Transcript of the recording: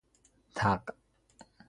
تق